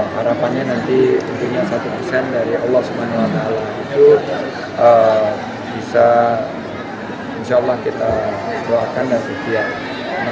harapannya nanti tentunya satu persen dari allah swt itu bisa insya allah kita doakan dan setia